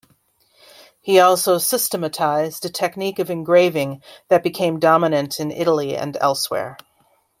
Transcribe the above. He also systematized a technique of engraving that became dominant in Italy and elsewhere.